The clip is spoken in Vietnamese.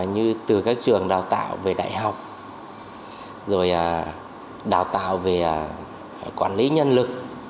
như từ các trường đào tạo về đại học rồi đào tạo về quản lý nhân lực